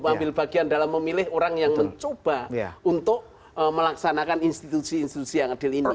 ambil bagian dalam memilih orang yang mencoba untuk melaksanakan institusi institusi yang adil ini